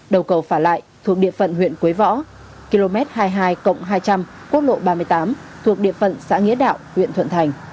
đầu cầu phả lại thuộc địa phận huyện quế võ km hai mươi hai hai trăm linh quốc lộ ba mươi tám thuộc địa phận xã nghĩa đạo huyện thuận thành